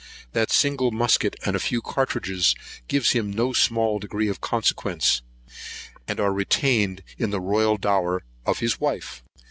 That single musket, and a few cartridges, gives him no small degree of consequence, and are retained as the royal dower of his wife.